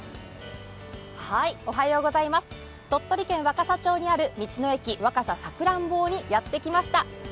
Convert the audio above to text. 鳥取県若桜町にある道の駅若桜桜ん坊にやってきました。